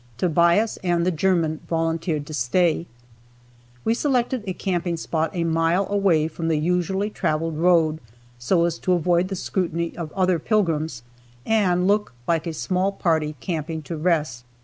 Tobias and the German volunteered to stay. We selected a camping spot a mile away from the usually traveled road so as to avoid the scrutiny of other pilgrims and look like a small party camping to rest.